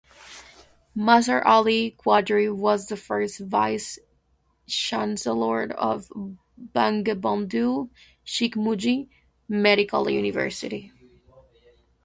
Mazhar Ali Qadri was the first vice chancellor of Bangabandhu Sheikh Mujib Medical University.